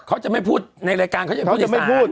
เขาจะไม่พูดในรายการเขาจะไม่พูดในสาร